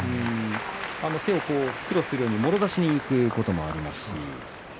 手をクロスするようにもろ差しにいくこともあります。